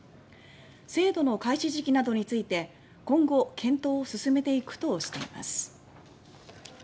制度の開始時期などについて今後検討を進めていくとしています。